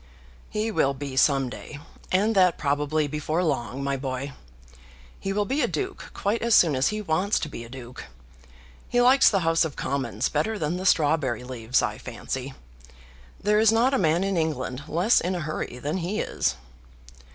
"He will be some day, and that probably before long, my boy. He will be a duke quite as soon as he wants to be a duke. He likes the House of Commons better than the strawberry leaves, I fancy. There is not a man in England less in a hurry than he is."